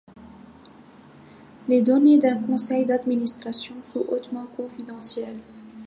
Les données d’un conseil d’administration sont hautement confidentielles.